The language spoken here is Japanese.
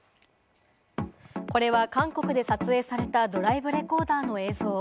これは韓国で撮影されたドライブレコーダーの映像。